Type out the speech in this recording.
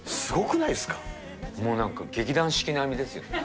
もうなんか、劇団四季並みですよ。